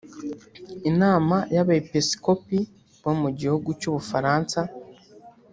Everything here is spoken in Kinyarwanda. Inama y’Abepisikopi bo mu gihugu cy’u Bufaransa